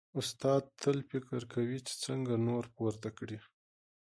استاد تل فکر کوي چې څنګه نور پورته کړي.